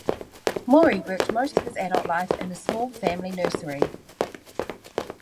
Mori worked most of his adult life in a small family nursery.